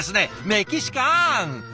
メキシカン！